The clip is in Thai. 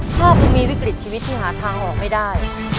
ถ้าคุณมีวิกฤตชีวิตที่หาทางออกไม่ได้